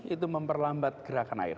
itu memperlambat gerakan air